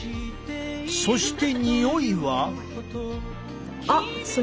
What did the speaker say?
そしてにおいは？